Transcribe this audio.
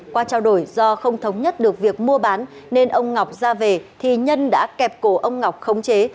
qua trao đổi do không thống nhất được việc mua bán nên ông ngọc ra về thì nhân đã kẹp cổ ông ngọc khống chế